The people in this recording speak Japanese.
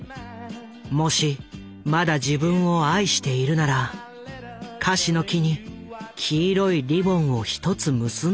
もしまだ自分を愛しているならかしの木に黄色いリボンを１つ結んでおいてほしいと。